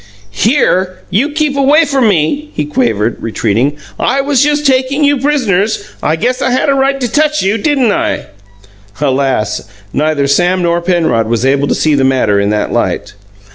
"Here! You keep away from me!" he quavered, retreating. "I was just takin' you pris'ners. I guess I had a right to TOUCH you, didn't I?" Alas! Neither Sam nor Penrod was able to see the matter in that light.